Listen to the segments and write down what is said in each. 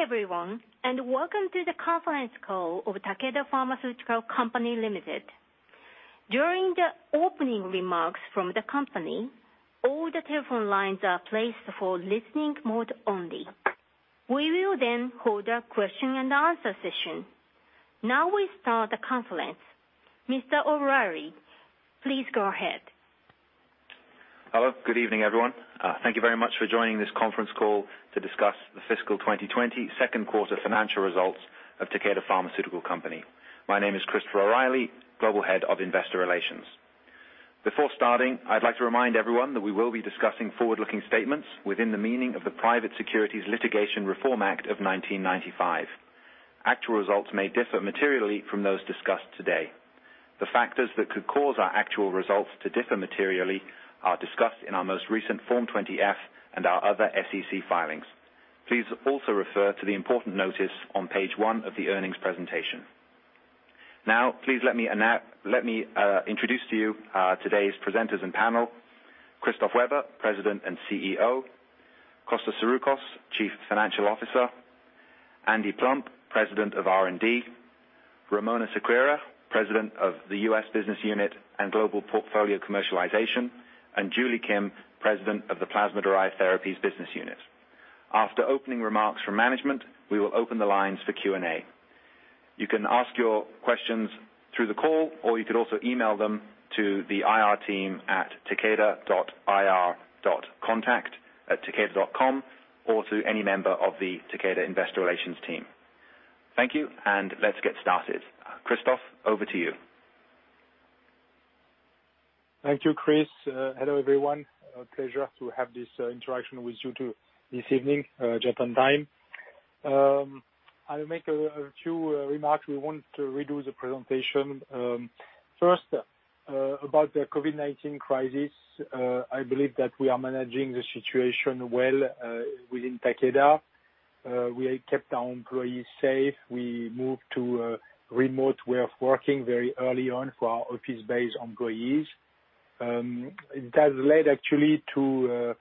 Good day, everyone, and welcome to the conference call of Takeda Pharmaceutical Company Limited. During the opening remarks from the company, all the telephone lines are placed for listening mode only. We will then hold a question-and-answer session. Now we start the conference. Mr. O'Reilly, please go ahead. Hello, good evening, everyone. Thank you very much for joining this conference call to discuss the fiscal 2020 second quarter financial results of Takeda Pharmaceutical Company. My name is Christopher O'Reilly, Global Head of Investor Relations. Before starting, I'd like to remind everyone that we will be discussing forward-looking statements within the meaning of the Private Securities Litigation Reform Act of 1995. Actual results may differ materially from those discussed today. The factors that could cause our actual results to differ materially are discussed in our most recent Form 20-F and our other SEC filings. Please also refer to the important notice on page one of the earnings presentation. Now, please let me introduce to you today's presenters and panel: Christophe Weber, President and CEO, Costa Saroukos, Chief Financial Officer, Andy Plump, President of R&D, Ramona Sequeira, President of the U.S. Business Unit and Global Portfolio Commercialization, and Julie Kim, President of the Plasma-Derived Therapies Business Unit. After opening remarks from management, we will open the lines for Q&A. You can ask your questions through the call, or you could also email them to the IR team at takeda.ir.contact@takeda.com or to any member of the Takeda Investor Relations team. Thank you, and let's get started. Christophe, over to you. Thank you, Chris. Hello, everyone. A pleasure to have this interaction with you this evening, Japan time. I'll make a few remarks. We won't redo the presentation. First, about the COVID-19 crisis, I believe that we are managing the situation well within Takeda. We kept our employees safe. We moved to remote way of working very early on for our office-based employees. It has led, actually, to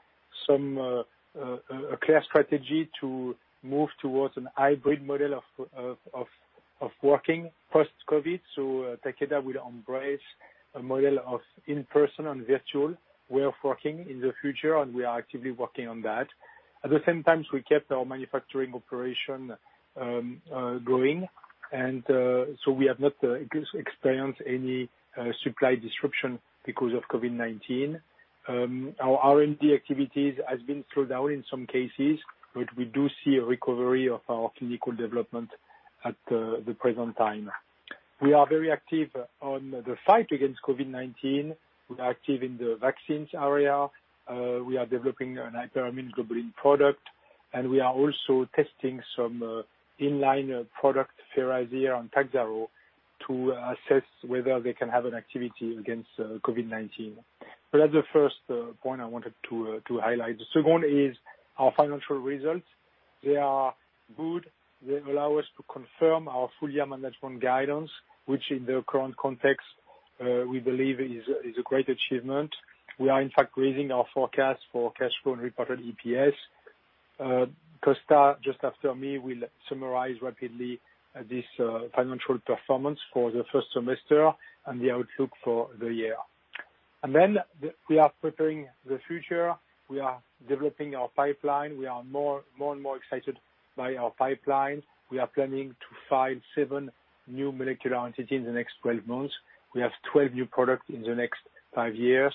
a clear strategy to move towards a hybrid model of working post-COVID. So Takeda will embrace a model of in-person and virtual way of working in the future, and we are actively working on that. At the same time, we kept our manufacturing operation going, and so we have not experienced any supply disruption because of COVID-19. Our R&D activities have been slowed down in some cases, but we do see a recovery of our clinical development at the present time. We are very active in the fight against COVID-19. We are active in the vaccines area. We are developing a hyperimmune globulin product, and we are also testing some in-line products, Firazyr and Takhzyro, to assess whether they can have an activity against COVID-19. So that's the first point I wanted to highlight. The second is our financial results. They are good. They allow us to confirm our full-year management guidance, which in the current context, we believe, is a great achievement. We are, in fact, raising our forecast for cash flow and reported EPS. Costa, just after me, will summarize rapidly this financial performance for the first semester and the outlook for the year, and then we are preparing the future. We are developing our pipeline. We are more and more excited by our pipeline. We are planning to file seven new molecular entities in the next 12 months. We have 12 new products in the next five years.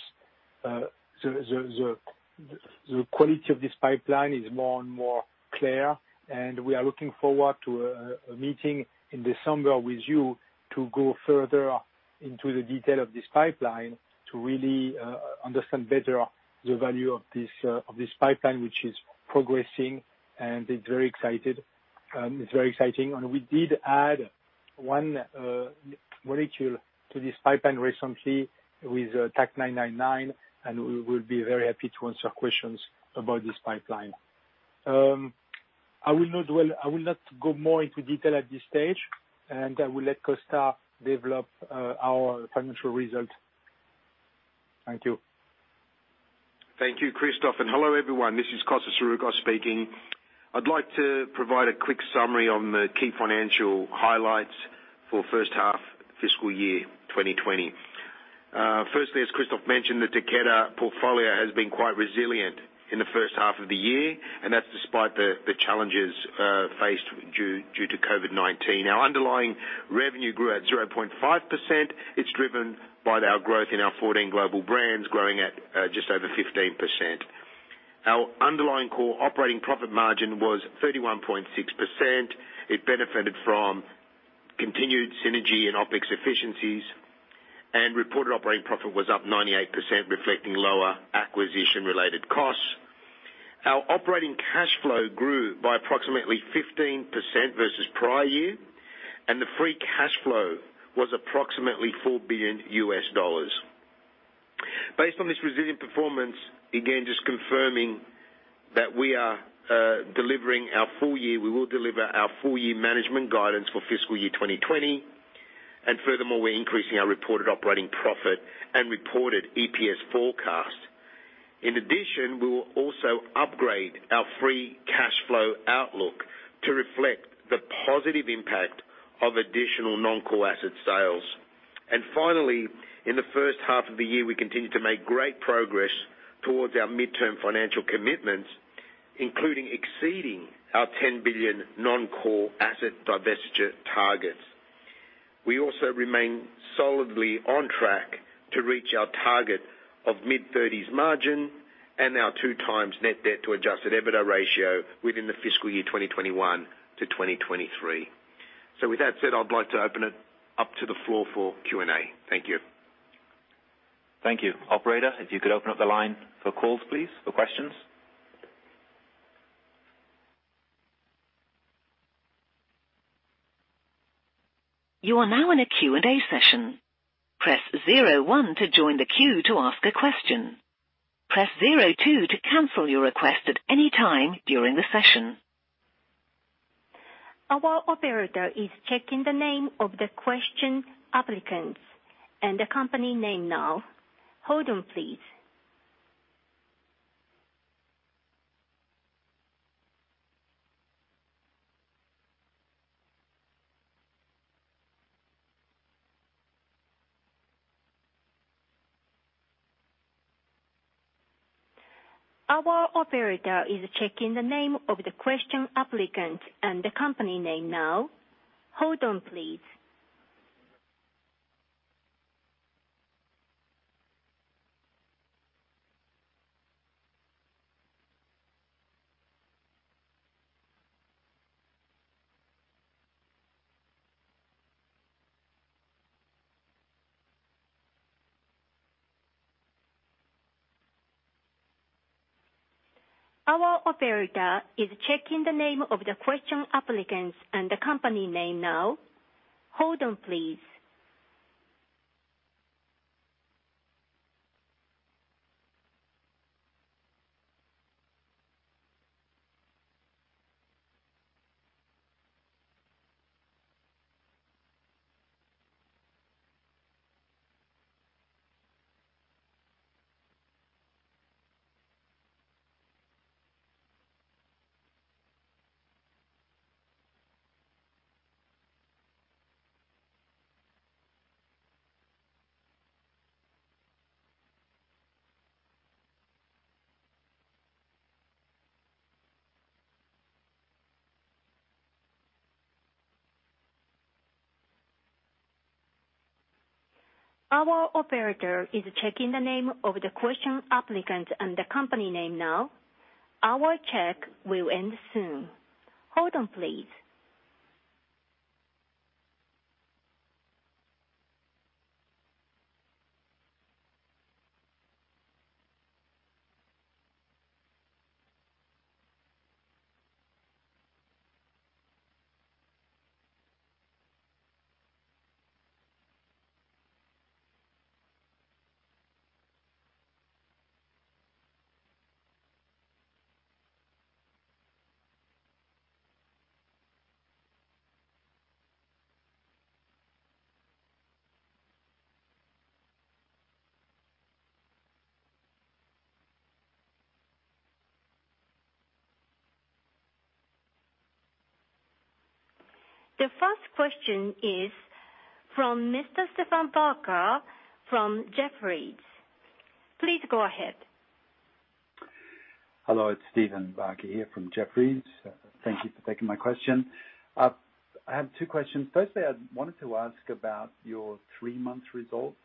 The quality of this pipeline is more and more clear, and we are looking forward to a meeting in December with you to go further into the detail of this pipeline to really understand better the value of this pipeline, which is progressing, and it's very exciting. And we did add one molecule to this pipeline recently with TAK-999, and we will be very happy to answer questions about this pipeline. I will not go more into detail at this stage, and I will let Costa develop our financial results. Thank you. Thank you, Christophe. And hello, everyone. This is Costa Saroukos speaking. I'd like to provide a quick summary on the key financial highlights for the first half of fiscal year 2020. Firstly, as Christophe mentioned, the Takeda portfolio has been quite resilient in the first half of the year, and that's despite the challenges faced due to COVID-19. Our underlying revenue grew at 0.5%. It's driven by our growth in our 14 global brands, growing at just over 15%. Our underlying core operating profit margin was 31.6%. It benefited from continued synergy and OpEx efficiencies, and reported operating profit was up 98%, reflecting lower acquisition-related costs. Our operating cash flow grew by approximately 15% versus prior year, and the free cash flow was approximately $4 billion. Based on this resilient performance, again, just confirming that we are delivering our full year, we will deliver our full-year management guidance for fiscal year 2020, and furthermore, we're increasing our reported operating profit and reported EPS forecast. In addition, we will also upgrade our free cash flow outlook to reflect the positive impact of additional non-core asset sales. And finally, in the first half of the year, we continue to make great progress towards our midterm financial commitments, including exceeding our ¥10 billion non-core asset divestiture targets. We also remain solidly on track to reach our target of mid-30s margin and our two times net debt to adjusted EBITDA ratio within the fiscal year 2021 to 2023. So with that said, I'd like to open it up to the floor for Q&A. Thank you. Thank you, Operator. If you could open up the line for calls, please, for questions. You are now in a Q&A session. Press zero one to join the queue to ask a question. Press zero two to cancel your request at any time during the session. Our operator is checking the name of the question applicant and the company name now. Hold on, please. Our check will end soon. Hold on, please. The first question is from Mr. Stephen Barker from Jefferies. Please go ahead. Hello, it's Stephen Barker here from Jefferies. Thank you for taking my question. I have two questions. Firstly, I wanted to ask about your three-month results.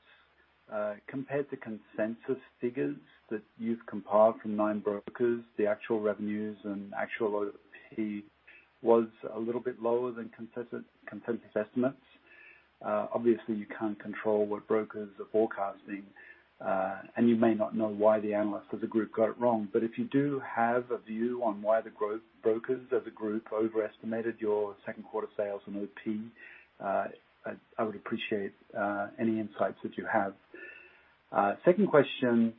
Compared to consensus figures that you've compiled from nine brokers, the actual revenues and actual OT was a little bit lower than consensus estimates. Obviously, you can't control what brokers are forecasting, and you may not know why the analysts as a group got it wrong. But if you do have a view on why the brokers as a group overestimated your second quarter sales and OP, I would appreciate any insights that you have. Second question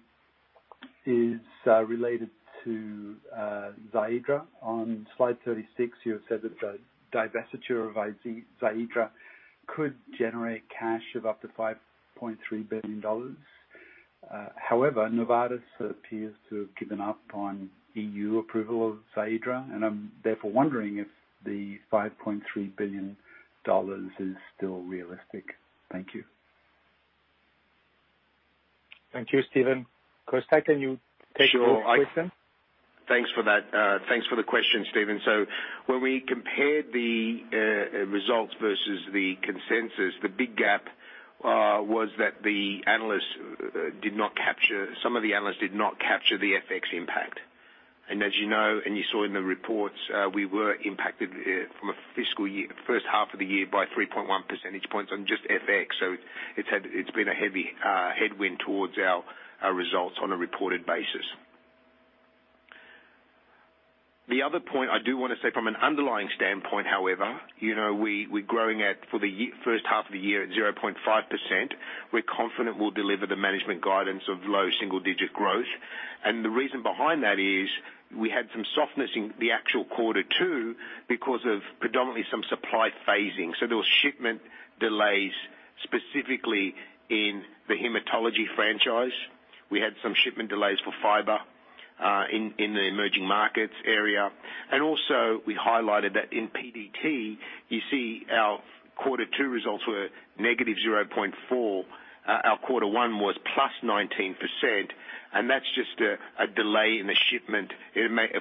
is related to Xiidra. On slide 36, you have said that the divestiture of Xiidra could generate cash of up to $5.3 billion. However, Novartis appears to have given up on E.U. approval of Xiidra, and I'm therefore wondering if the $5.3 billion is still realistic. Thank you. Thank you, Stephen. Costa, can you take the question? Sure. Thanks for the question, Stephen. So when we compared the results versus the consensus, the big gap was that the analysts did not capture the FX impact. And as you know, and you saw in the reports, we were impacted from the first half of the year by 3.1 percentage points on just FX. So it's been a heavy headwind towards our results on a reported basis. The other point I do want to say from an underlying standpoint, however, we're growing for the first half of the year at 0.5%. We're confident we'll deliver the management guidance of low single-digit growth. And the reason behind that is we had some softness in the actual quarter two because of predominantly some supply phasing. So there were shipment delays specifically in the hematology franchise. We had some shipment delays for Firazyr in the emerging markets area, and also, we highlighted that in PDT, you see our quarter two results were negative 0.4%. Our quarter one was plus 19%, and that's just a delay in the shipment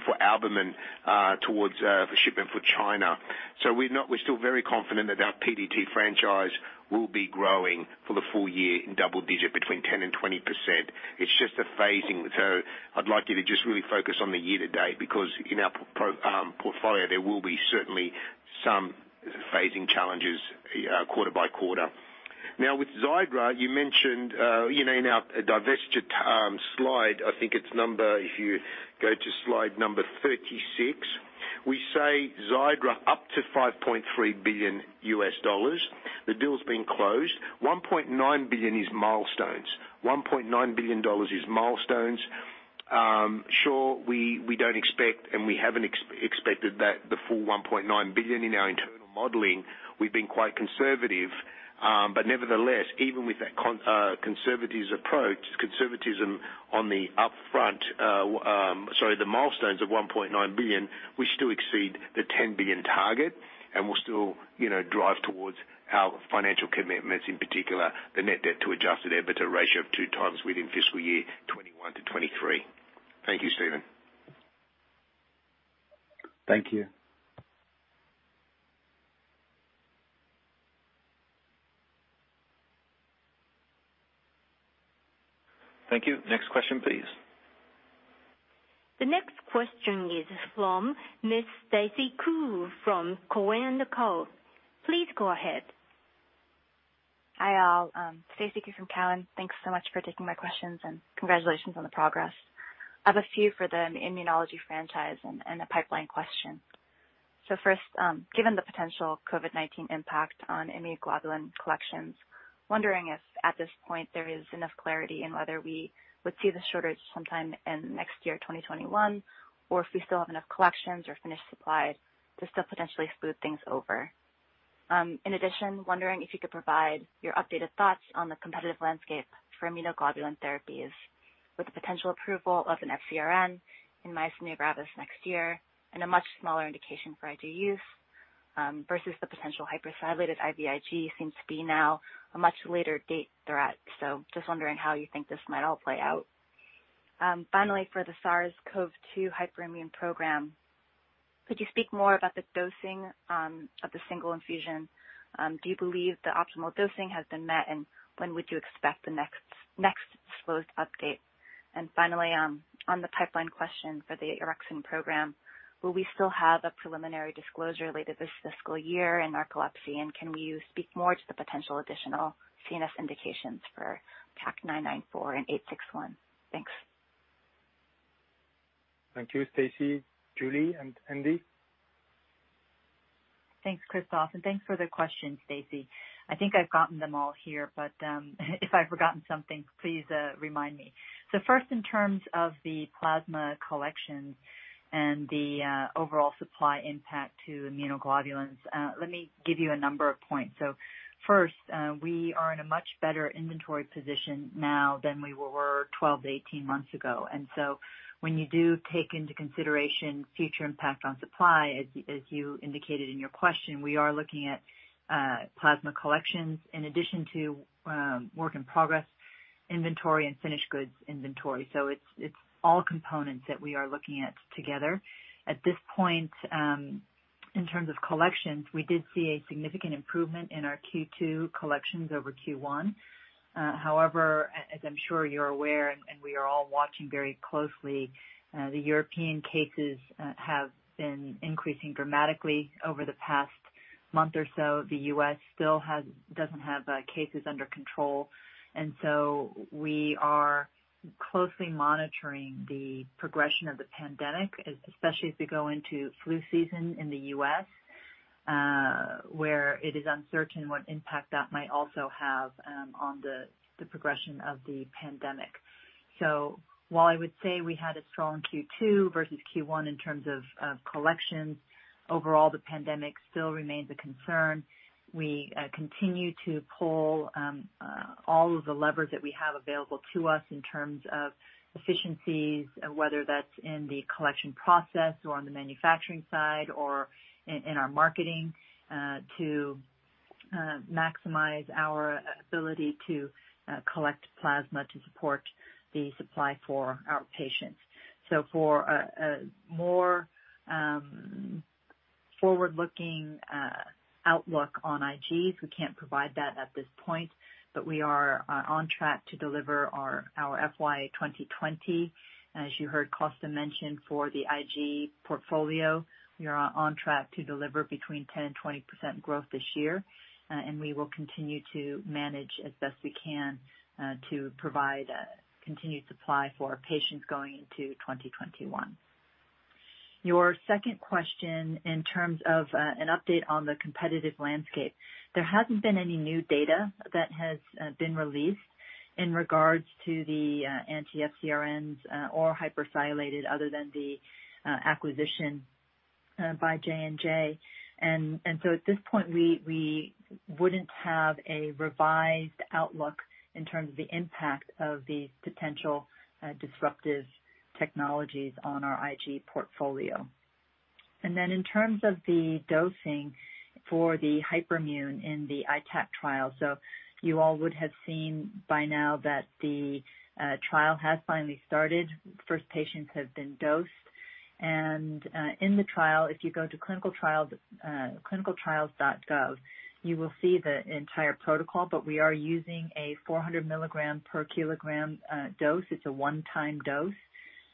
for albumin towards shipment for China. So we're still very confident that our PDT franchise will be growing for the full year in double digits between 10% and 20%. It's just a phasing. So I'd like you to just really focus on the year-to-date because in our portfolio, there will be certainly some phasing challenges quarter by quarter. Now, with Xiidra, you mentioned in our divestiture slide, I think it's number if you go to slide number 36, we say Xiidra up to $5.3 billion. The deal's been closed. $1.9 billion is milestones. $1.9 billion is milestones. Sure, we don't expect, and we haven't expected that the full $1.9 billion in our internal modeling. We've been quite conservative, but nevertheless, even with that conservative approach, conservatism on the upfront, sorry, the milestones of $1.9 billion, we still exceed the $10 billion target, and we'll still drive towards our financial commitments, in particular the net debt to adjusted EBITDA ratio of 2x within fiscal year 2021 to 2023. Thank you, Stephen. Thank you. Thank you. Next question, please. The next question is from Ms. Stacy Ku from Cowen. Ku, please go ahead. Hi, all. Stacy Ku from Cowen. Thanks so much for taking my questions, and congratulations on the progress. I have a few for the immunology franchise and a pipeline question. So first, given the potential COVID-19 impact on immunoglobulin collections, wondering if at this point there is enough clarity in whether we would see the shortage sometime in next year, 2021, or if we still have enough collections or finished supplies to still potentially smooth things over. In addition, wondering if you could provide your updated thoughts on the competitive landscape for immunoglobulin therapies with the potential approval of an FcRn in myasthenia gravis next year and a much smaller indication for IG use versus the potential hypersialylated IVIG seems to be now a much later date threat. So just wondering how you think this might all play out. Finally, for the SARS-CoV-2 hyperimmune program, could you speak more about the dosing of the single infusion? Do you believe the optimal dosing has been met, and when would you expect the next disclosed update? And finally, on the pipeline question for the orexin program, will we still have a preliminary disclosure later this fiscal year in narcolepsy, and can we speak more to the potential additional CNS indications for TAK-994 and TAK-861? Thanks. Thank you, Stacy. Julie and Andy. Thanks, Christophe. And thanks for the question, Stacy. I think I've gotten them all here, but if I've forgotten something, please remind me. So first, in terms of the plasma collections and the overall supply impact to immunoglobulins, let me give you a number of points. So first, we are in a much better inventory position now than we were 12-18 months ago. And so when you do take into consideration future impact on supply, as you indicated in your question, we are looking at plasma collections in addition to work in progress inventory and finished goods inventory. So it's all components that we are looking at together. At this point, in terms of collections, we did see a significant improvement in our Q2 collections over Q1. However, as I'm sure you're aware, and we are all watching very closely, the European cases have been increasing dramatically over the past month or so. The U.S. still doesn't have cases under control, and so we are closely monitoring the progression of the pandemic, especially as we go into flu season in the U.S., where it is uncertain what impact that might also have on the progression of the pandemic, so while I would say we had a strong Q2 versus Q1 in terms of collections, overall, the pandemic still remains a concern. We continue to pull all of the levers that we have available to us in terms of efficiencies, whether that's in the collection process or on the manufacturing side or in our marketing, to maximize our ability to collect plasma to support the supply for our patients. For a more forward-looking outlook on IGs, we can't provide that at this point, but we are on track to deliver our FY 2020. As you heard Costa mention for the IG portfolio, we are on track to deliver between 10%-20% growth this year, and we will continue to manage as best we can to provide continued supply for our patients going into 2021. Your second question in terms of an update on the competitive landscape, there hasn't been any new data that has been released in regards to the anti-FcRns or hypersialylated other than the acquisition by J&J. So at this point, we wouldn't have a revised outlook in terms of the impact of these potential disruptive technologies on our IG portfolio. And then in terms of the dosing for the hyperimmune in the ITAC trial, so you all would have seen by now that the trial has finally started. First patients have been dosed. And in the trial, if you go to clinicaltrials.gov, you will see the entire protocol, but we are using a 400 mg per kg dose. It's a one-time dose.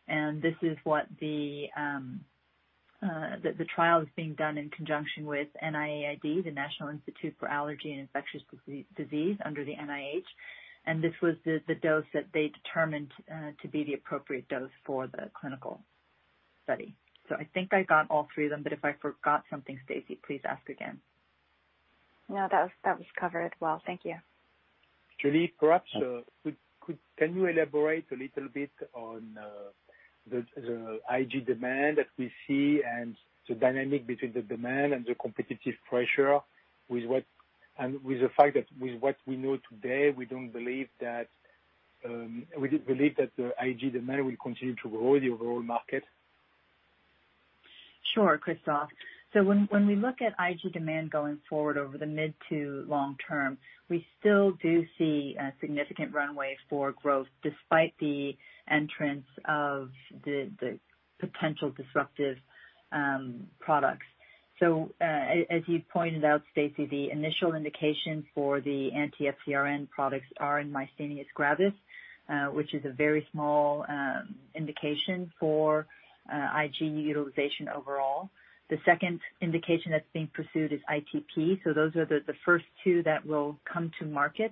And this is what the trial is being done in conjunction with NIAID, the National Institute for Allergy and Infectious Diseases under the NIH. And this was the dose that they determined to be the appropriate dose for the clinical study. So I think I got all three of them, but if I forgot something, Stacy, please ask again. No, that was covered well. Thank you. Julie, perhaps can you elaborate a little bit on the IG demand that we see and the dynamic between the demand and the competitive pressure with the fact that, with what we know today, we don't believe that the IG demand will continue to grow the overall market? Sure, Christophe. So when we look at IG demand going forward over the mid to long term, we still do see a significant runway for growth despite the entrance of the potential disruptive products. So as you pointed out, Stacy, the initial indication for the anti-FcRn products are in myasthenia gravis, which is a very small indication for IG utilization overall. The second indication that's being pursued is ITP. So those are the first two that will come to market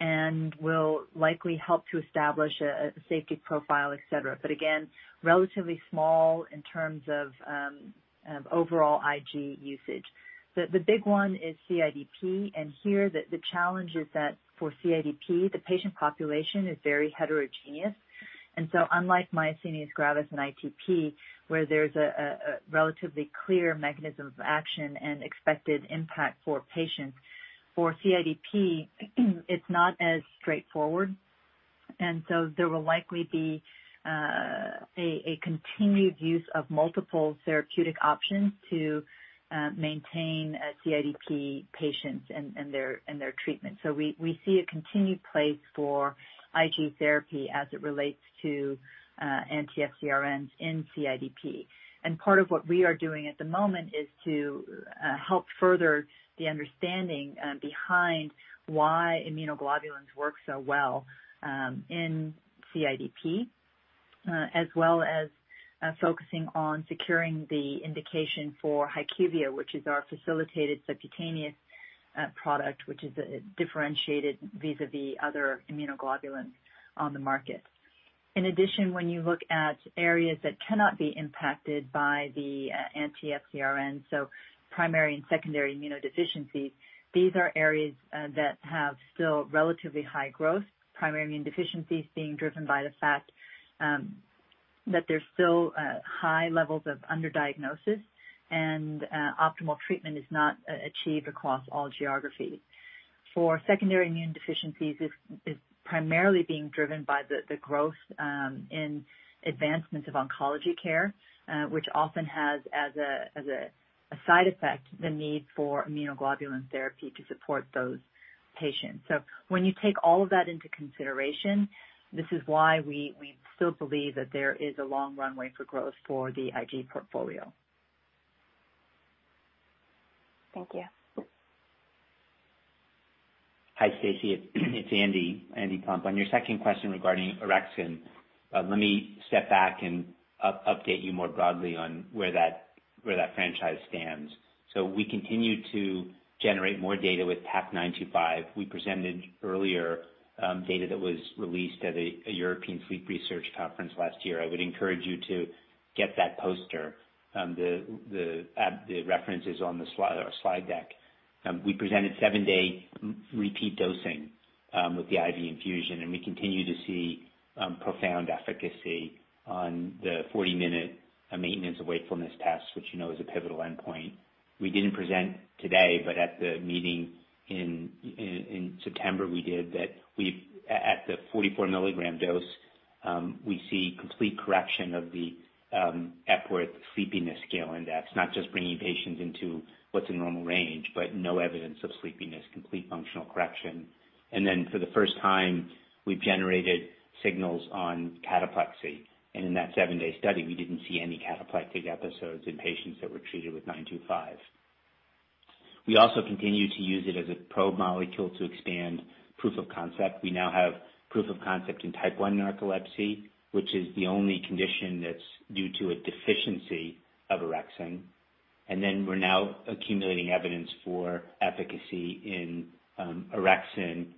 and will likely help to establish a safety profile, etc. But again, relatively small in terms of overall IG usage. The big one is CIDP. And here the challenge is that for CIDP, the patient population is very heterogeneous. And so unlike myasthenia gravis and ITP, where there's a relatively clear mechanism of action and expected impact for patients, for CIDP, it's not as straightforward. There will likely be a continued use of multiple therapeutic options to maintain CIDP patients and their treatment. We see a continued place for IG therapy as it relates to anti-FcRns in CIDP. Part of what we are doing at the moment is to help further the understanding behind why immunoglobulins work so well in CIDP, as well as focusing on securing the indication for HyQvia, which is our facilitated subcutaneous product, which is differentiated vis-à-vis other immunoglobulins on the market. In addition, when you look at areas that cannot be impacted by the anti-FcRn, so primary and secondary immunodeficiencies, these are areas that have still relatively high growth, primary immune deficiencies being driven by the fact that there's still high levels of underdiagnosis and optimal treatment is not achieved across all geographies. For secondary immune deficiencies, it's primarily being driven by the growth in advancements of oncology care, which often has as a side effect the need for immunoglobulin therapy to support those patients, so when you take all of that into consideration, this is why we still believe that there is a long runway for growth for the IG portfolio. Thank you. Hi, Stacy. It's Andy, Andy Plump. On your second question regarding orexin, let me step back and update you more broadly on where that franchise stands. So we continue to generate more data with TAK-925. We presented earlier data that was released at a European Sleep Research Conference last year. I would encourage you to get that poster. The reference is on the slide deck. We presented seven-day repeat dosing with the IV infusion, and we continue to see profound efficacy on the 40-minute maintenance of wakefulness tests, which you know is a pivotal endpoint. We didn't present today, but at the meeting in September, we did that. At the 44-mg dose, we see complete correction of the Epworth Sleepiness Scale Index, not just bringing patients into what's a normal range, but no evidence of sleepiness, complete functional correction. And then for the first time, we've generated signals on cataplexy. And in that seven-day study, we didn't see any cataplexic episodes in patients that were treated with 925. We also continue to use it as a probe molecule to expand proof of concept. We now have proof of concept in Type 1 narcolepsy, which is the only condition that's due to a deficiency of orexin. And then we're now accumulating evidence for efficacy in orexin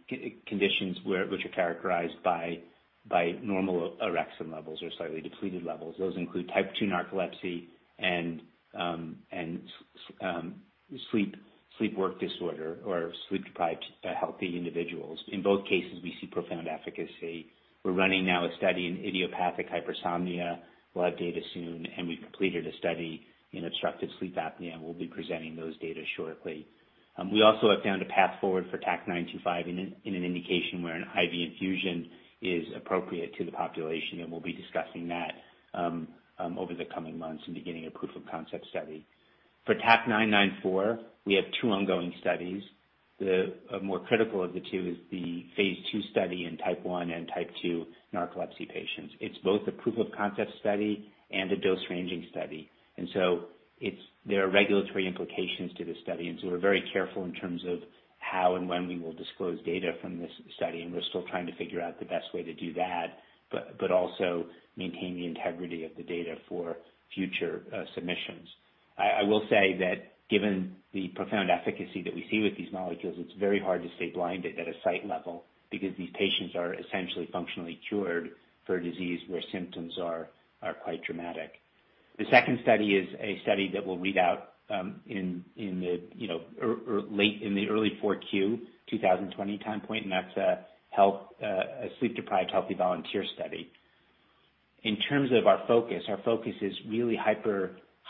conditions, which are characterized by normal orexin levels or slightly depleted levels. Those include Type 2 narcolepsy and shift work disorder or sleep-deprived healthy individuals. In both cases, we see profound efficacy. We're running now a study in idiopathic hypersomnia. We'll have data soon, and we've completed a study in obstructive sleep apnea, and we'll be presenting those data shortly. We also have found a path forward for TAK-925 in an indication where an IV infusion is appropriate to the population, and we'll be discussing that over the coming months in the beginning of proof of concept study. For TAK-994, we have two ongoing studies. The more critical of the two is the phase two study in Type 1 and Type 2 narcolepsy patients. It's both a proof of concept study and a dose ranging study. And so there are regulatory implications to this study. And so we're very careful in terms of how and when we will disclose data from this study, and we're still trying to figure out the best way to do that, but also maintain the integrity of the data for future submissions. I will say that given the profound efficacy that we see with these molecules, it's very hard to stay blinded at a site level because these patients are essentially functionally cured for a disease where symptoms are quite dramatic. The second study is a study that we'll read out in the early 4Q 2020 time point, and that's a sleep-deprived healthy volunteer study. In terms of our focus, our focus is really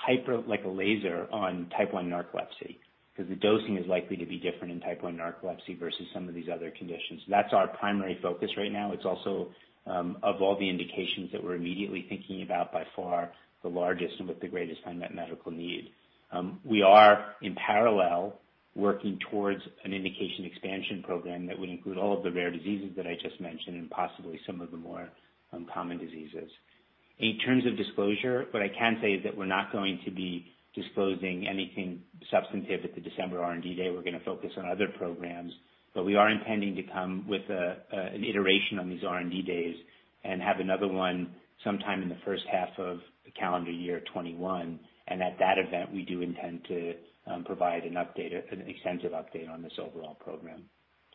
hyper like a laser on type 1 narcolepsy because the dosing is likely to be different in type 1 narcolepsy versus some of these other conditions. That's our primary focus right now. It's also, of all the indications that we're immediately thinking about, by far the largest and with the greatest unmet medical need. We are, in parallel, working towards an indication expansion program that would include all of the rare diseases that I just mentioned and possibly some of the more common diseases. In terms of disclosure, what I can say is that we're not going to be disclosing anything substantive at the December R&D day. We're going to focus on other programs, but we are intending to come with an iteration on these R&D days and have another one sometime in the first half of calendar year 2021. And at that event, we do intend to provide an extensive update on this overall program.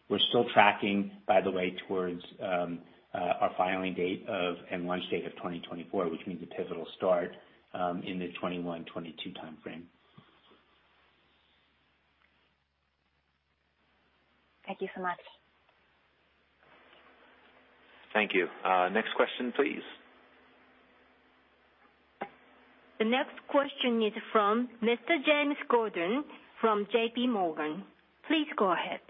We're still tracking, by the way, towards our filing date and launch date of 2024, which means a pivotal start in the 2021, 2022 time frame. Thank you so much. Thank you. Next question, please. The next question is from Mr. James Gordon from JPMorgan. Please go ahead.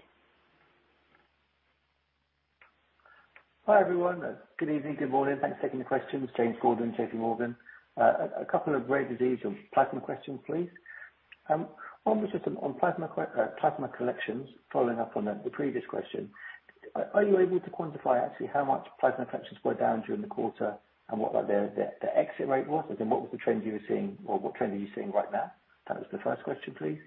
Hi, everyone. Good evening. Good morning. Thanks for taking the questions, James Gordon, JPMorgan. A couple of rare disease or plasma questions, please. One was just on plasma collections, following up on the previous question. Are you able to quantify actually how much plasma collections were down during the quarter and what the exit rate was? And then what was the trend you were seeing? Or what trend are you seeing right now? That was the first question, please.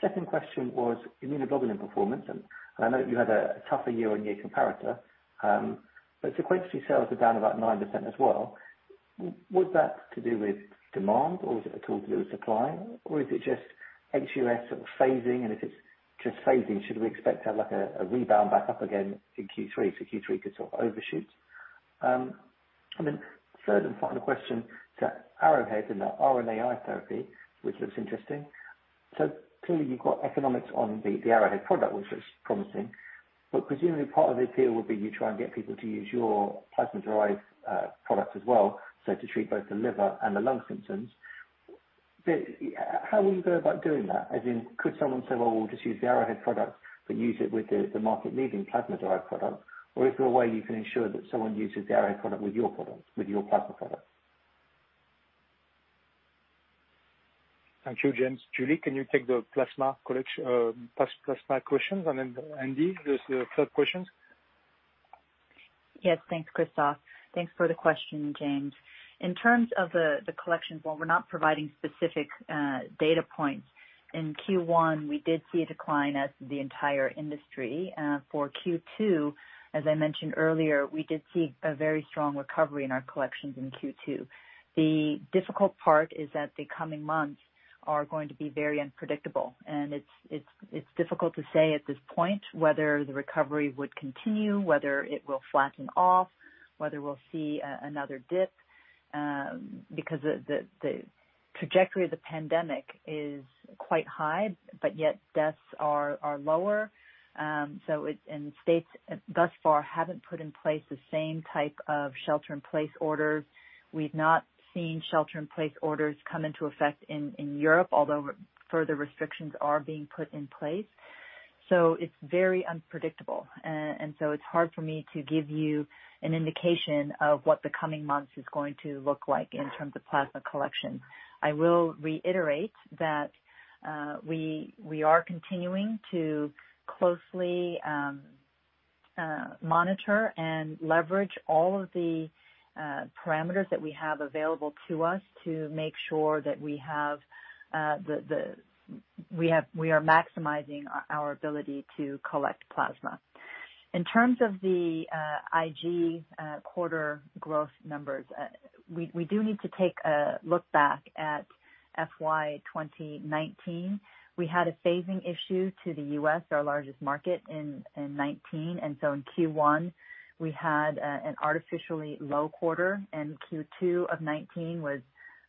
Second question was immunoglobulin performance. And I know you had a tougher year-on-year comparator, but sequentially sales are down about 9% as well. Was that to do with demand? Or is it at all to do with supply? Or is it just U.S. sort of phasing? And if it's just phasing, should we expect to have a rebound back up again in Q3 so Q3 could sort of overshoot? And then third and final question to Arrowhead and the RNAi therapy, which looks interesting. So clearly you've got economics on the Arrowhead product, which was promising. But presumably part of the appeal would be you try and get people to use your plasma-derived products as well, so to treat both the liver and the lung symptoms. How will you go about doing that? As in, could someone say, "Well, we'll just use the Arrowhead product, but use it with the market-leading plasma-derived product"? Or is there a way you can ensure that someone uses the Arrowhead product with your plasma products? Thank you, James. Julie, can you take the plasma collection? And then Andy, the third question? Yes, thanks, Christophe. Thanks for the question, James. In terms of the collections, while we're not providing specific data points, in Q1, we did see a decline as the entire industry. For Q2, as I mentioned earlier, we did see a very strong recovery in our collections in Q2. The difficult part is that the coming months are going to be very unpredictable, and it's difficult to say at this point whether the recovery would continue, whether it will flatten off, whether we'll see another dip because the trajectory of the pandemic is quite high, but yet deaths are lower. So, in states thus far haven't put in place the same type of shelter-in-place orders. We've not seen shelter-in-place orders come into effect in Europe, although further restrictions are being put in place. So it's very unpredictable. And so it's hard for me to give you an indication of what the coming months is going to look like in terms of plasma collections. I will reiterate that we are continuing to closely monitor and leverage all of the parameters that we have available to us to make sure that we are maximizing our ability to collect plasma. In terms of the IG quarter growth numbers, we do need to take a look back at FY 2019. We had a phasing issue to the U.S., our largest market, in 2019. And so in Q1, we had an artificially low quarter, and Q2 of 2019 was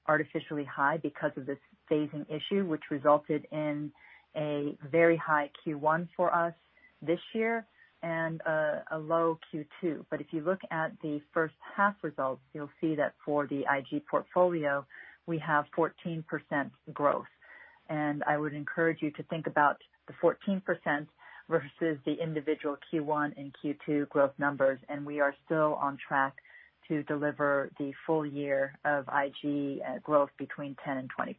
artificially high because of this phasing issue, which resulted in a very high Q1 for us this year and a low Q2. But if you look at the first half results, you'll see that for the IG portfolio, we have 14% growth. I would encourage you to think about the 14% versus the individual Q1 and Q2 growth numbers. We are still on track to deliver the full year of IG growth between 10% and 20%.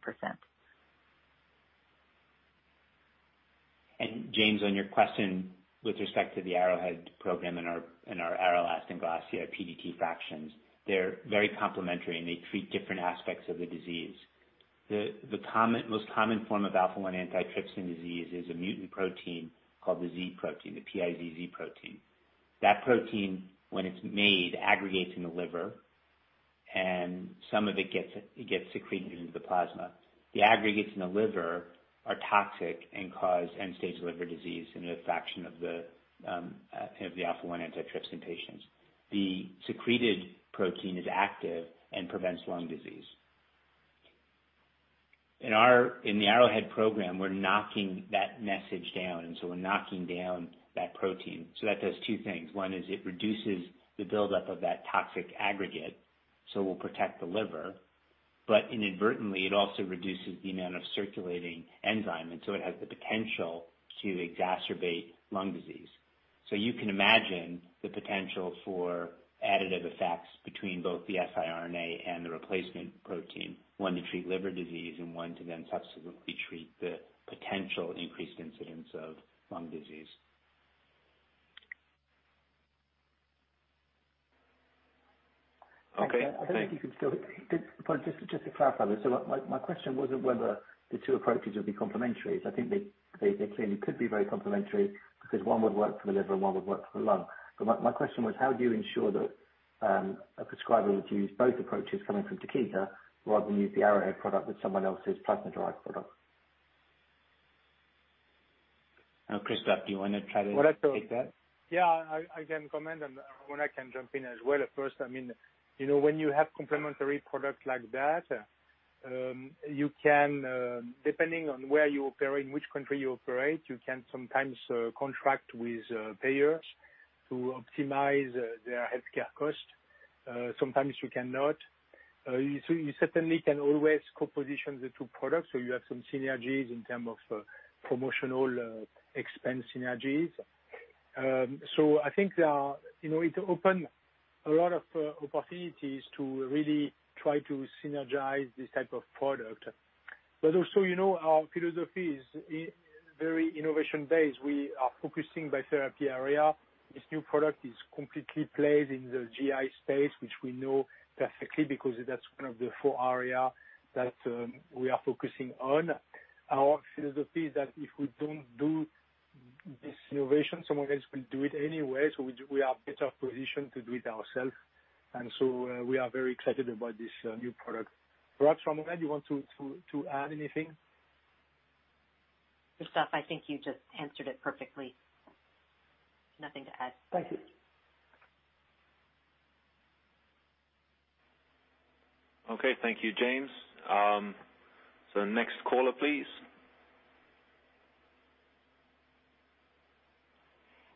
James, on your question with respect to the Arrowhead program and our Aralast and Glassia PDT fractions, they're very complementary, and they treat different aspects of the disease. The most common form of alpha-1 antitrypsin disease is a mutant protein called the Z protein, the PIZZ protein. That protein, when it's made, aggregates in the liver, and some of it gets secreted into the plasma. The aggregates in the liver are toxic and cause end-stage liver disease in a fraction of the alpha-1 antitrypsin patients. The secreted protein is active and prevents lung disease. In the Arrowhead program, we're knocking that message down. So we're knocking down that protein. So that does two things. One is it reduces the buildup of that toxic aggregate, so it will protect the liver. But inadvertently, it also reduces the amount of circulating enzyme, and so it has the potential to exacerbate lung disease. So you can imagine the potential for additive effects between both the siRNA and the replacement protein, one to treat liver disease and one to then subsequently treat the potential increased incidence of lung disease. Okay. I think you can still just to clarify this. So my question wasn't whether the two approaches would be complementary. I think they clearly could be very complementary because one would work for the liver and one would work for the lung. But my question was, how do you ensure that a prescriber would use both approaches coming from Takeda rather than use the Arrowhead product with someone else's plasma-derived product? Christophe, do you want to try to take that? Yeah, I can comment, and Ramona can jump in as well. First, I mean, when you have complementary products like that, depending on where you operate, in which country you operate, you can sometimes contract with payers to optimize their healthcare cost. Sometimes you cannot. You certainly can always co-position the two products, so you have some synergies in terms of promotional expense synergies. So I think it opens a lot of opportunities to really try to synergize this type of product. But also, our philosophy is very innovation-based. We are focusing by therapy area. This new product is completely placed in the GI space, which we know perfectly because that's one of the four areas that we are focusing on. Our philosophy is that if we don't do this innovation, someone else will do it anyway. So we are better positioned to do it ourselves. And so we are very excited about this new product. Perhaps, Ramona, you want to add anything? Christophe, I think you just answered it perfectly. Nothing to add. Thank you. Okay. Thank you, James, so next caller, please.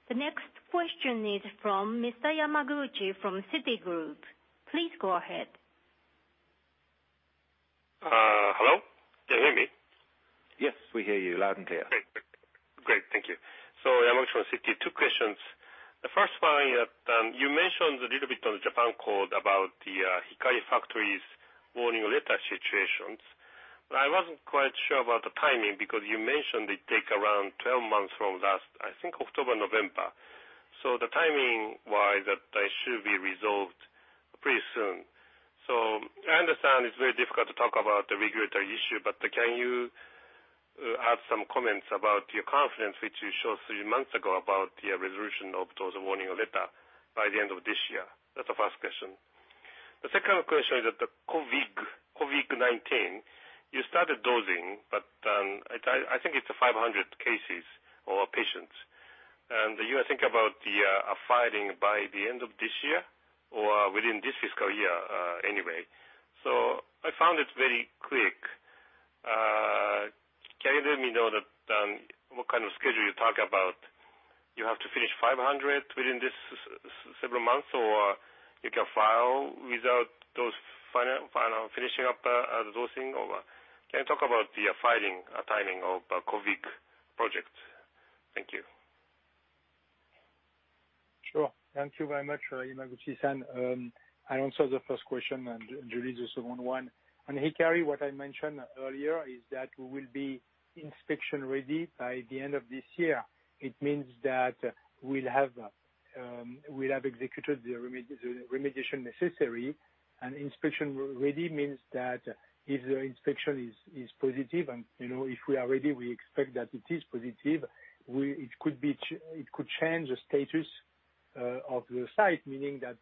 The next question is from Mr. Yamaguchi from Citigroup. Please go ahead. Hello? Can you hear me? Yes, we hear you loud and clear. Great. Great. Thank you. So Yamaguchi from Citi, two questions. The first one, you mentioned a little bit on the Japan call about the Hikari factories warning letter situations. But I wasn't quite sure about the timing because you mentioned it takes around 12 months from last, I think, October-November. So the timing-wise, that issue will be resolved pretty soon. So I understand it's very difficult to talk about the regulatory issue, but can you add some comments about your confidence, which you showed three months ago about the resolution of those warning letters by the end of this year? That's the first question. The second question is that the COVID-19, you started dosing, but I think it's 500 cases or patients. And you are thinking about the filing by the end of this year or within this fiscal year anyway. So I found it very quick. Can you let me know what kind of schedule you're talking about? You have to finish 500 within these several months, or you can file without finishing up the dosing? Can you talk about the filing timing of COVID projects? Thank you. Sure. Thank you very much, Yamaguchi. I answered the first question, and Julie's the second one. On Hikari, what I mentioned earlier is that we will be inspection-ready by the end of this year. It means that we'll have executed the remediation necessary, and inspection-ready means that if the inspection is positive, and if we are ready, we expect that it is positive, it could change the status of the site, meaning that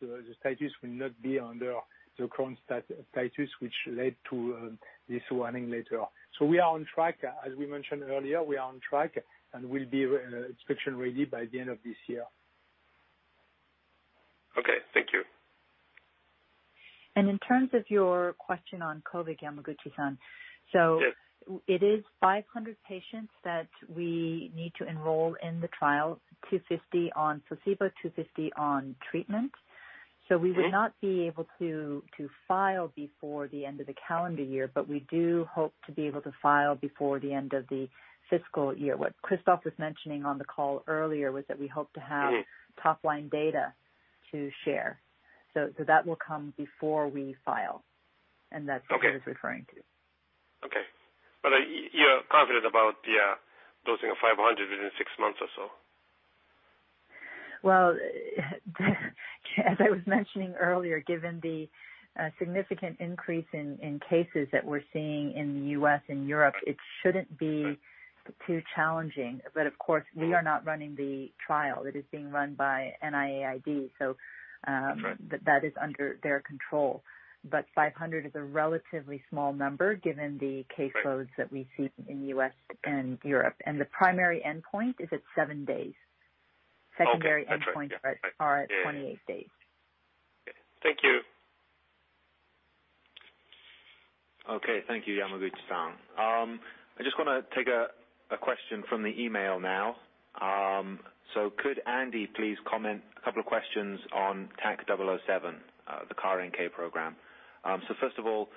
the status will not be under the current status, which led to this warning letter. So we are on track. As we mentioned earlier, we are on track, and we'll be inspection-ready by the end of this year. Okay. Thank you. And in terms of your question on COVID, Yamaguchi, so it is 500 patients that we need to enroll in the trial, 250 on placebo, 250 on treatment. So we would not be able to file before the end of the calendar year, but we do hope to be able to file before the end of the fiscal year. What Christophe was mentioning on the call earlier was that we hope to have top-line data to share. So that will come before we file. And that's what he was referring to. Okay. But you're confident about the dosing of 500 within six months or so? As I was mentioning earlier, given the significant increase in cases that we're seeing in the U.S. and Europe, it shouldn't be too challenging. Of course, we are not running the trial. It is being run by NIAID, so that is under their control. 500 is a relatively small number given the caseloads that we see in the U.S. and Europe. The primary endpoint is at seven days. Secondary endpoints are at 28 days. Thank you. Thank you. Okay. Thank you, Yamaguchi. I just want to take a question from the email now. So could Andy please comment a couple of questions on TAK-007, the CAR-NK program? So first of all,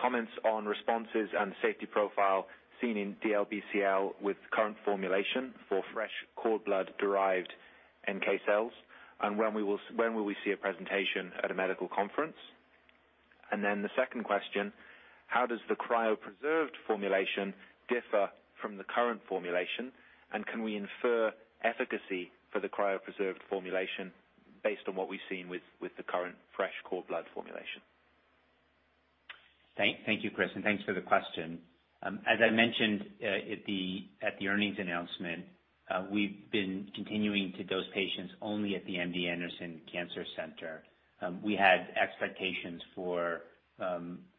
comments on responses and safety profile seen in DLBCL with current formulation for fresh cord blood-derived NK cells? And when will we see a presentation at a medical conference? And then the second question, how does the cryopreserved formulation differ from the current formulation? And can we infer efficacy for the cryopreserved formulation based on what we've seen with the current fresh cord blood formulation? Thank you, Chris. And thanks for the question. As I mentioned at the earnings announcement, we've been continuing to dose patients only at the MD Anderson Cancer Center. We had expectations for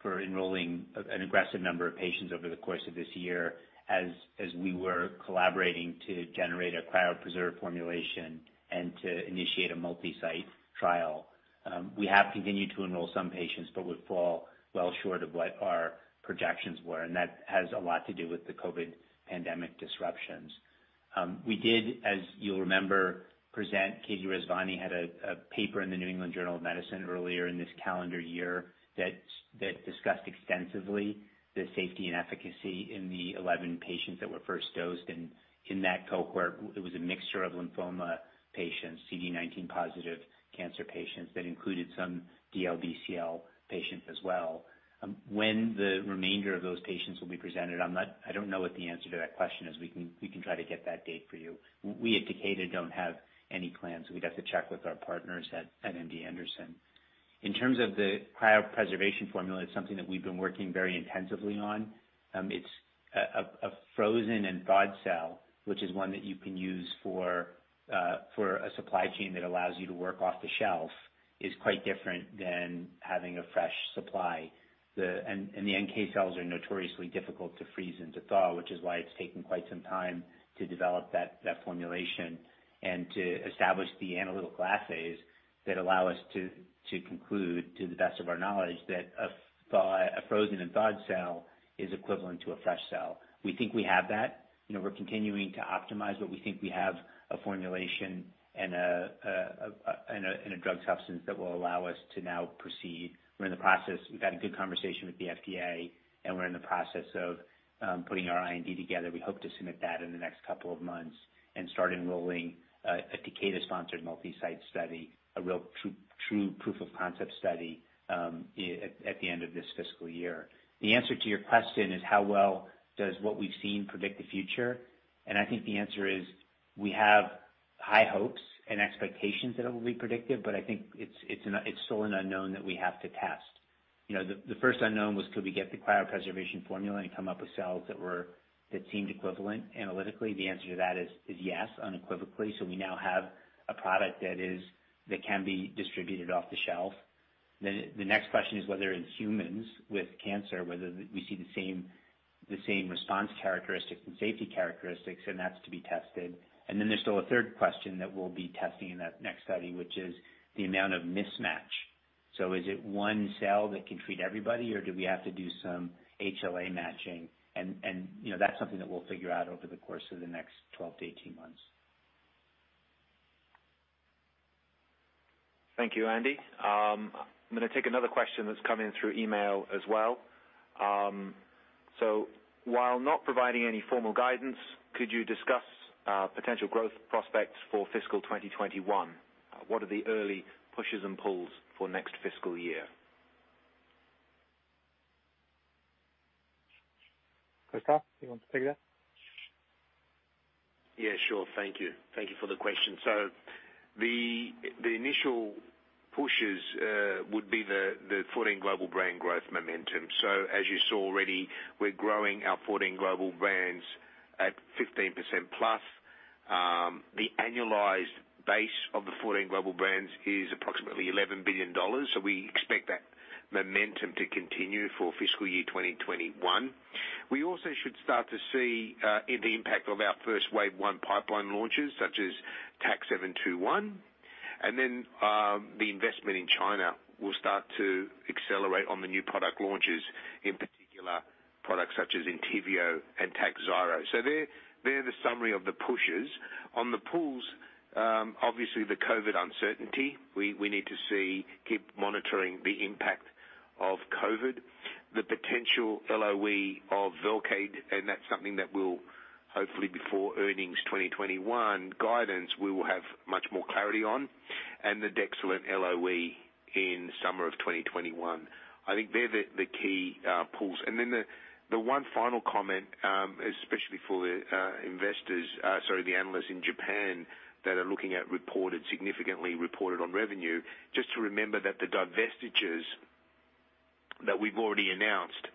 enrolling an aggressive number of patients over the course of this year as we were collaborating to generate a cryopreserved formulation and to initiate a multi-site trial. We have continued to enroll some patients, but we've fallen well short of what our projections were. And that has a lot to do with the COVID pandemic disruptions. We did, as you'll remember, present. Katy Rezvani had a paper in the New England Journal of Medicine earlier in this calendar year that discussed extensively the safety and efficacy in the 11 patients that were first dosed. And in that cohort, it was a mixture of lymphoma patients, CD19-positive cancer patients that included some DLBCL patients as well. When the remainder of those patients will be presented, I don't know what the answer to that question is. We can try to get that date for you. We at Takeda don't have any plans. We'd have to check with our partners at MD Anderson. In terms of the cryopreservation formula, it's something that we've been working very intensively on. It's a frozen and thawed cell, which is one that you can use for a supply chain that allows you to work off the shelf, is quite different than having a fresh supply. And the NK cells are notoriously difficult to freeze and thaw, which is why it's taken quite some time to develop that formulation and to establish the analytical assays that allow us to conclude, to the best of our knowledge, that a frozen and thawed cell is equivalent to a fresh cell. We think we have that. We're continuing to optimize, but we think we have a formulation and a drug substance that will allow us to now proceed. We're in the process. We've had a good conversation with the FDA, and we're in the process of putting our IND together. We hope to submit that in the next couple of months and start enrolling a Takeda-sponsored multi-site study, a real true proof-of-concept study at the end of this fiscal year. The answer to your question is, how well does what we've seen predict the future, and I think the answer is we have high hopes and expectations that it will be predictive, but I think it's still an unknown that we have to test. The first unknown was, could we get the cryopreservation formula and come up with cells that seemed equivalent analytically? The answer to that is yes, unequivocally. We now have a product that can be distributed off the shelf. The next question is whether in humans with cancer, whether we see the same response characteristics and safety characteristics, and that's to be tested. And then there's still a third question that we'll be testing in that next study, which is the amount of mismatch. So is it one cell that can treat everybody, or do we have to do some HLA matching? And that's something that we'll figure out over the course of the next 12-18 months. Thank you, Andy. I'm going to take another question that's coming through email as well. So while not providing any formal guidance, could you discuss potential growth prospects for fiscal 2021? What are the early pushes and pulls for next fiscal year? Christophe, do you want to take that? Yeah, sure. Thank you. Thank you for the question. So the initial pushes would be the 14 global brands' growth momentum. So as you saw already, we're growing our 14 global brands at 15%+. The annualized base of the 14 global brands is approximately $11 billion. So we expect that momentum to continue for fiscal year 2021. We also should start to see the impact of our first Wave 1 pipeline launches, such as TAK-721. And then the investment in China will start to accelerate on the new product launches, in particular products such as Entyvio and Takhzyro. So there's the summary of the pushes. On the pulls, obviously, the COVID uncertainty. We need to keep monitoring the impact of COVID, the potential LOE of Velcade, and that's something that we'll hopefully, before earnings 2021 guidance, we will have much more clarity on, and the Dexilant LOE in summer of 2021. I think they're the key pulls. And then the one final comment, especially for the investors, sorry, the analysts in Japan that are looking at significantly reported on revenue, just to remember that the divestitures that we've already announced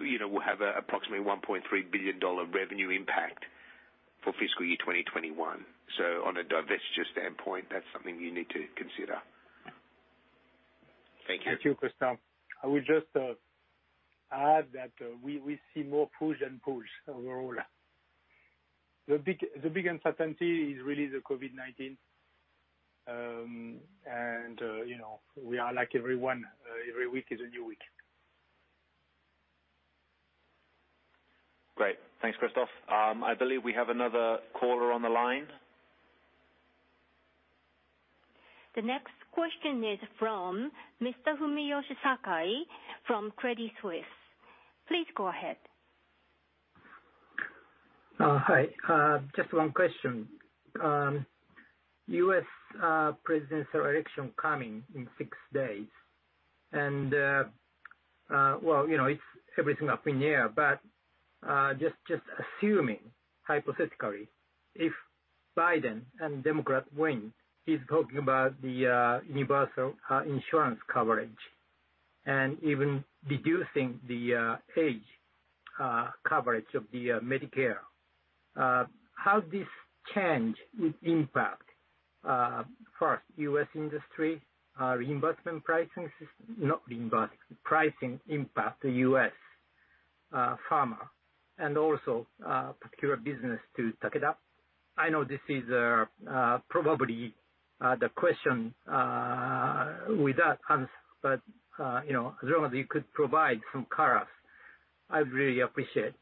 will have approximately $1.3 billion revenue impact for fiscal year 2021. So on a divestiture standpoint, that's something you need to consider. Thank you. Thank you, Christophe. I would just add that we see more push than pull overall. The big uncertainty is really the COVID-19. And we are like everyone. Every week is a new week. Great. Thanks, Christophe. I believe we have another caller on the line. The next question is from Mr. Fumiyoshi Sakai from Credit Suisse. Please go ahead. Hi. Just one question. U.S. presidential election coming in six days. And well, it's everything up in the air, but just assuming, hypothetically, if Biden and Democrat win, he's talking about the universal insurance coverage and even reducing the age coverage of the Medicare, how this change would impact first U.S. industry, reinvestment pricing system? Not reinvestment, pricing impact the U.S. pharma and also particular business to Takeda. I know this is probably the question without answer, but as long as you could provide some color, I would really appreciate it.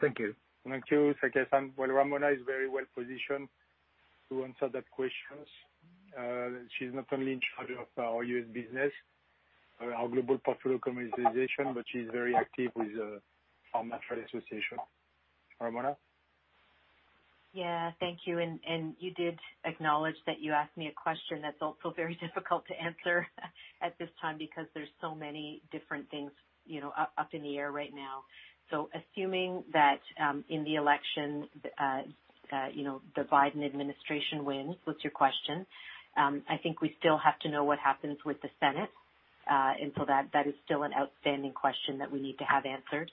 Thank you. Thank you, Sakai. Well, Ramona is very well positioned to answer that question. She's not only in charge of our U.S. business, our global portfolio commercialization, but she's very active with the Pharma Trade Association. Ramona? Yeah. Thank you. And you did acknowledge that you asked me a question that's also very difficult to answer at this time because there's so many different things up in the air right now. So assuming that in the election, the Biden administration wins, what's your question? I think we still have to know what happens with the Senate. And so that is still an outstanding question that we need to have answered.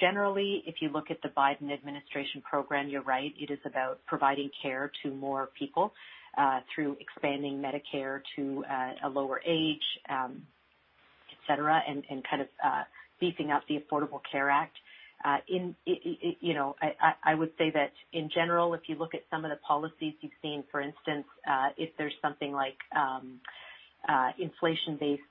Generally, if you look at the Biden administration program, you're right. It is about providing care to more people through expanding Medicare to a lower age, etc., and kind of beefing up the Affordable Care Act. I would say that in general, if you look at some of the policies you've seen, for instance, if there's something like inflation-based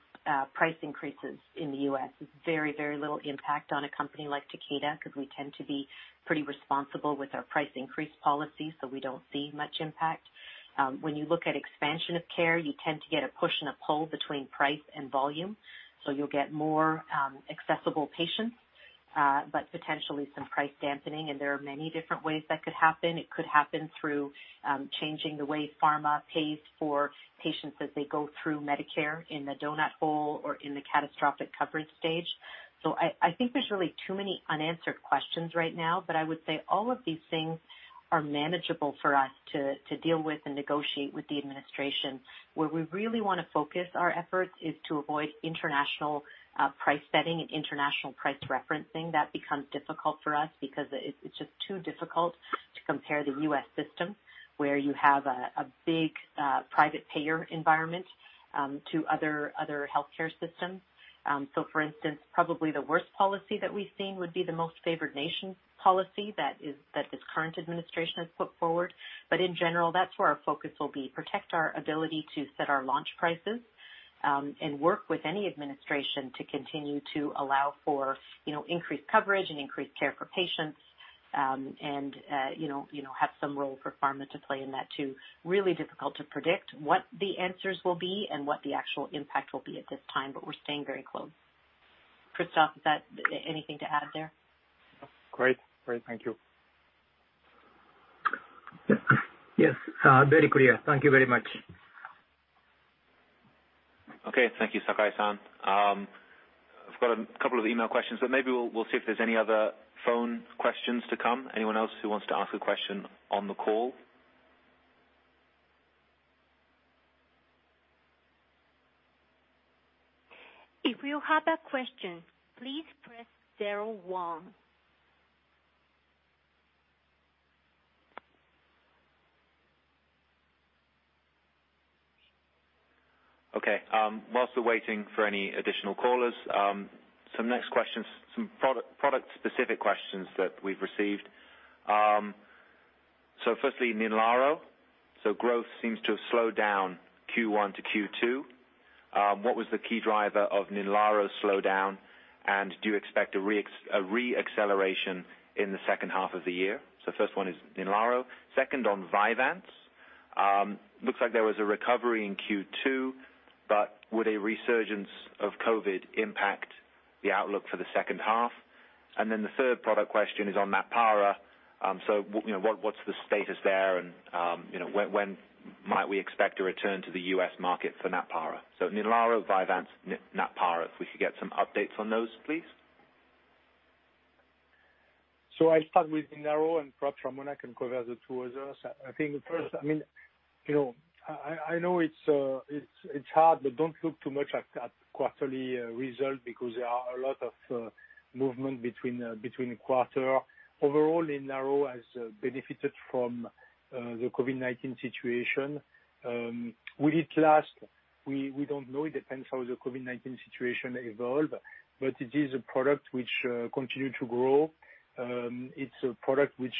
price increases in the U.S., it's very, very little impact on a company like Takeda because we tend to be pretty responsible with our price increase policy, so we don't see much impact. When you look at expansion of care, you tend to get a push and a pull between price and volume. So you'll get more accessible patients, but potentially some price dampening. And there are many different ways that could happen. It could happen through changing the way pharma pays for patients as they go through Medicare in the Donut Hole or in the catastrophic coverage stage. I think there's really too many unanswered questions right now, but I would say all of these things are manageable for us to deal with and negotiate with the administration. Where we really want to focus our efforts is to avoid international price setting and international price referencing. That becomes difficult for us because it's just too difficult to compare the U.S. system where you have a big private payer environment to other healthcare systems. For instance, probably the worst policy that we've seen would be the Most Favored Nation policy that this current administration has put forward. But in general, that's where our focus will be: protect our ability to set our launch prices and work with any administration to continue to allow for increased coverage and increased care for patients and have some role for pharma to play in that too. Really difficult to predict what the answers will be and what the actual impact will be at this time, but we're staying very close. Christophe, is that anything to add there? Great. Great. Thank you. Yes. Very clear. Thank you very much. Okay. Thank you, Sakai-san. I've got a couple of email questions, but maybe we'll see if there's any other phone questions to come. Anyone else who wants to ask a question on the call? If you have a question, please press 01. Okay. While we're waiting for any additional callers, some next questions, some product-specific questions that we've received. So firstly, Ninlaro. So growth seems to have slowed down Q1 to Q2. What was the key driver of Ninlaro's slowdown, and do you expect a re-acceleration in the second half of the year? So first one is Ninlaro. Second, on Vyvanse. Looks like there was a recovery in Q2, but would a resurgence of COVID impact the outlook for the second half? And then the third product question is on Natpara. So what's the status there, and when might we expect a return to the U.S. market for Natpara? So Ninlaro, Vyvanse, Natpara, if we could get some updates on those, please. So I'll start with Ninlaro, and perhaps Ramona can cover the two others. I think first, I mean, I know it's hard, but don't look too much at quarterly results because there are a lot of movements between quarters. Overall, Ninlaro has benefited from the COVID-19 situation. Will it last? We don't know. It depends how the COVID-19 situation evolves, but it is a product which continues to grow. It's a product which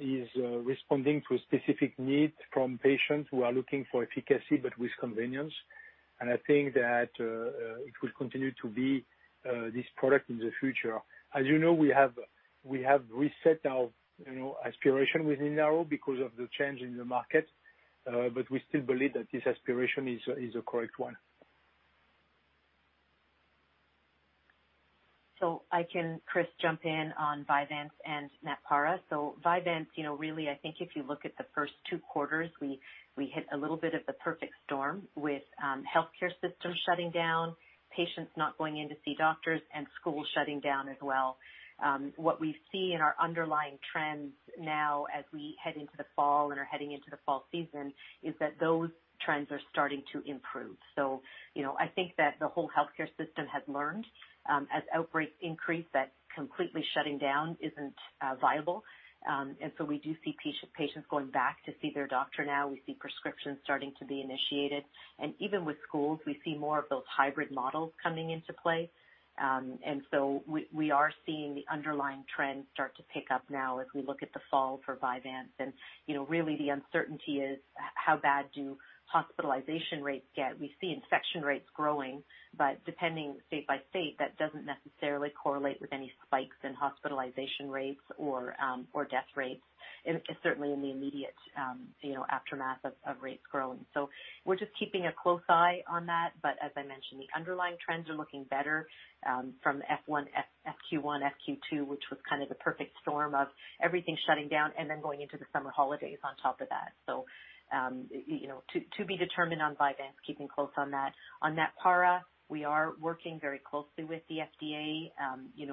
is responding to a specific need from patients who are looking for efficacy but with convenience. And I think that it will continue to be this product in the future. As you know, we have reset our aspiration with Ninlaro because of the change in the market, but we still believe that this aspiration is the correct one. So, Chris, I can jump in on Vyvanse and Natpara. So Vyvanse, really, I think if you look at the first two quarters, we hit a little bit of the perfect storm with healthcare systems shutting down, patients not going in to see doctors, and schools shutting down as well. What we see in our underlying trends now as we head into the fall and are heading into the fall season is that those trends are starting to improve. So I think that the whole healthcare system has learned as outbreaks increase that completely shutting down isn't viable. And so we do see patients going back to see their doctor now. We see prescriptions starting to be initiated. And even with schools, we see more of those hybrid models coming into play. And so we are seeing the underlying trend start to pick up now as we look at the fall for Vyvanse. Really, the uncertainty is how bad do hospitalization rates get? We see infection rates growing, but depending, state by state, that doesn't necessarily correlate with any spikes in hospitalization rates or death rates, certainly in the immediate aftermath of rates growing. So we're just keeping a close eye on that. But as I mentioned, the underlying trends are looking better from Q1, Q2, which was kind of the perfect storm of everything shutting down and then going into the summer holidays on top of that. So to be determined on Vyvanse, keeping close on that. On Natpara, we are working very closely with the FDA.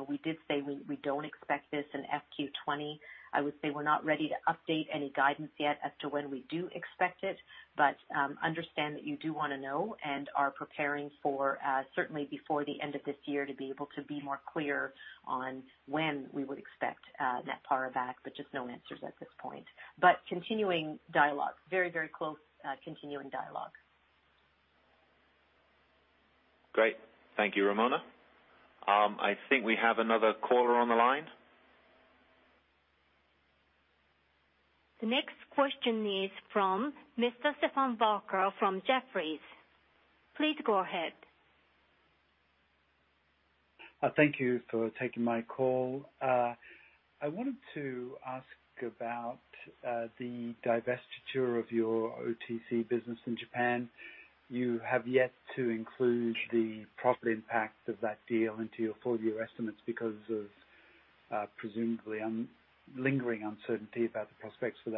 We did say we don't expect this in FY 2020. I would say we're not ready to update any guidance yet as to when we do expect it, but understand that you do want to know and are preparing for certainly before the end of this year to be able to be more clear on when we would expect Natpara back, but just no answers at this point. But continuing dialogue. Very, very close continuing dialogue. Great. Thank you, Ramona. I think we have another caller on the line. The next question is from Mr. Stephen Barker from Jefferies. Please go ahead. Thank you for taking my call. I wanted to ask about the divestiture of your OTC business in Japan. You have yet to include the profit impact of that deal into your full year estimates because of presumably lingering uncertainty about the prospects for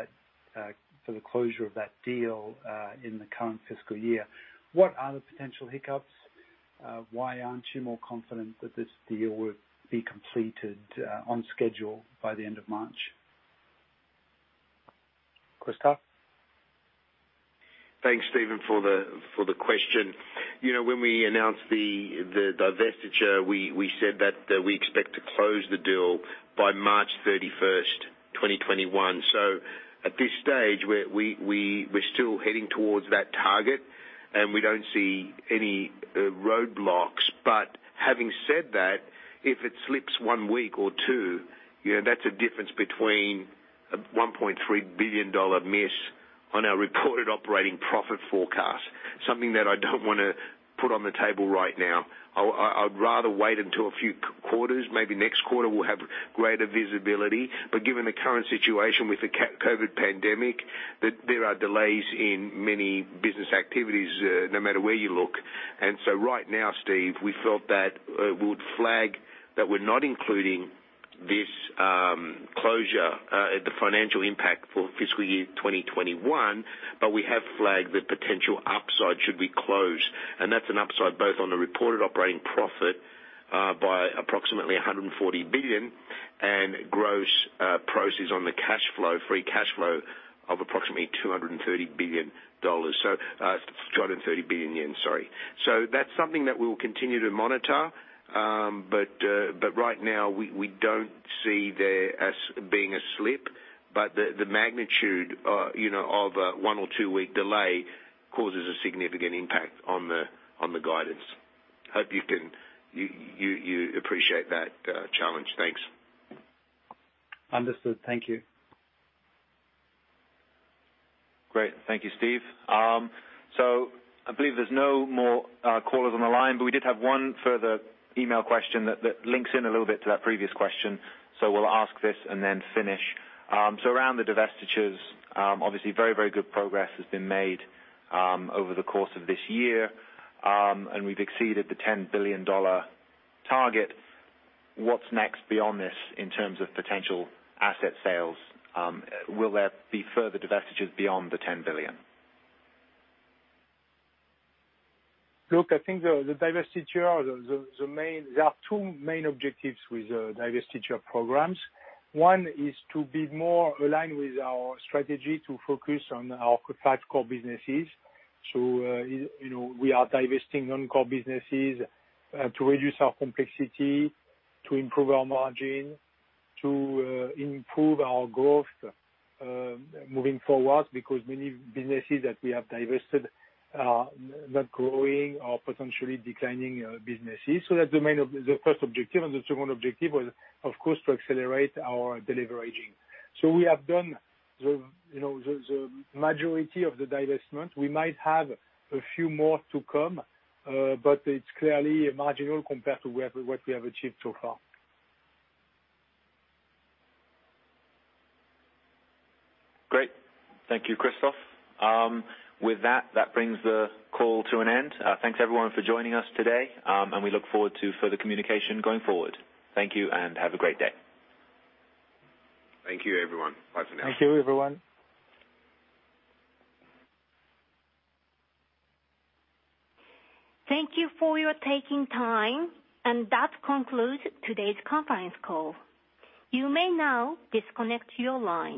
the closure of that deal in the current fiscal year. What are the potential hiccups? Why aren't you more confident that this deal would be completed on schedule by the end of March? Christophe? Thanks, Stephen, for the question. When we announced the divestiture, we said that we expect to close the deal by March 31st 2021. So at this stage, we're still heading towards that target, and we don't see any roadblocks. But having said that, if it slips one week or two, that's a difference between a $1.3 billion miss on our reported operating profit forecast, something that I don't want to put on the table right now. I'd rather wait until a few quarters. Maybe next quarter, we'll have greater visibility. But given the current situation with the COVID pandemic, there are delays in many business activities no matter where you look. And so right now, Stephen, we felt that we would flag that we're not including this closure, the financial impact for fiscal year 2021, but we have flagged the potential upside should we close. That's an upside both on the reported operating profit by approximately $140 billion and gross proceeds on the free cash flow of approximately $230 billion. $230 billion, sorry. That's something that we will continue to monitor, but right now, we don't see there as being a slip. The magnitude of a one- or two-week delay causes a significant impact on the guidance. Hope you can appreciate that challenge. Thanks. Understood. Thank you. Great. Thank you, Stephen. So I believe there's no more callers on the line, but we did have one further email question that links in a little bit to that previous question. So we'll ask this and then finish. So around the divestitures, obviously, very, very good progress has been made over the course of this year, and we've exceeded the $10 billion target. What's next beyond this in terms of potential asset sales? Will there be further divestitures beyond the $10 billion? Look, I think the divestiture, there are two main objectives with divestiture programs. One is to be more aligned with our strategy to focus on our five core businesses. So we are divesting non-core businesses to reduce our complexity, to improve our margin, to improve our growth moving forward because many businesses that we have divested are not growing or potentially declining businesses. So that's the first objective. And the second objective was, of course, to accelerate our deleveraging. So we have done the majority of the divestment. We might have a few more to come, but it's clearly marginal compared to what we have achieved so far. Great. Thank you, Christophe. With that, that brings the call to an end. Thanks, everyone, for joining us today, and we look forward to further communication going forward. Thank you, and have a great day. Thank you, everyone. Bye for now. Thank you, everyone. Thank you for your time, and that concludes today's conference call. You may now disconnect your line.